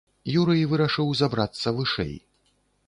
Юрый вырашыў забрацца вышэй.